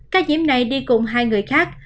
ca nhiễm này đi cùng hai người khác